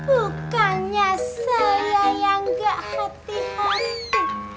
bukannya saya yang gak hati hati